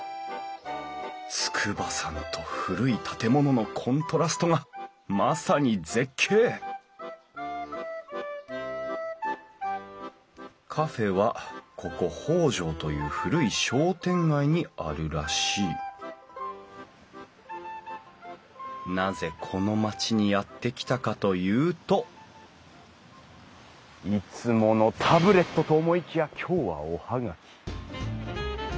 筑波山と古い建物のコントラストがまさに絶景カフェはここ北条という古い商店街にあるらしいなぜこの町にやって来たかというといつものタブレットと思いきや今日はお葉書。